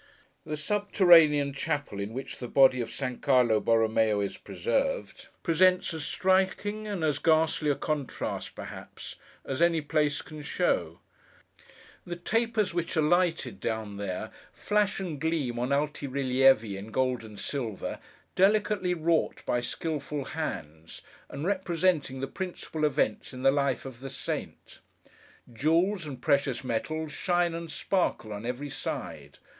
The subterranean chapel in which the body of San Carlo Borromeo is preserved, presents as striking and as ghastly a contrast, perhaps, as any place can show. The tapers which are lighted down there, flash and gleam on alti rilievi in gold and silver, delicately wrought by skilful hands, and representing the principal events in the life of the saint. Jewels, and precious metals, shine and sparkle on every side.